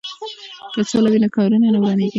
که سوله وي نو کورونه نه ورانیږي.